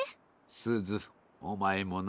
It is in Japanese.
すずおまえもな。